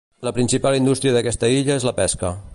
La principal indústria d'aquesta illa és la pesca.